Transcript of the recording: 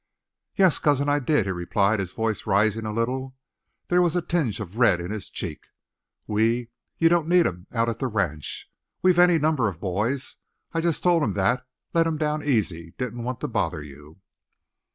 "Yes, cousin, I did," he replied, his voice rising a little. There was a tinge of red in his cheek. "We you don't need him out at the ranch. We've any numbers of boys. I just told him that let him down easy didn't want to bother you."